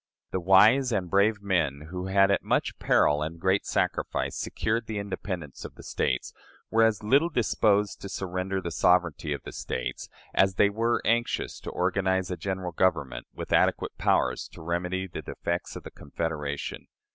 The wise and brave men who had, at much peril and great sacrifice, secured the independence of the States, were as little disposed to surrender the sovereignty of the States as they were anxious to organize a General Government with adequate powers to remedy the defects of the Confederation.